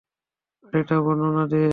গাড়িটার বর্ণনা দে।